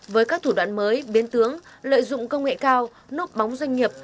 với các thủ đoạn mới biến tướng lợi dụng công nghệ cao nốt bóng doanh nghiệp